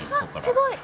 すごい。